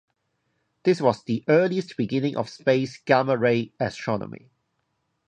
This was the earliest beginning of space gamma-ray astronomy.